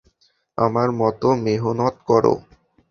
আমার মতো, মেহনত করো!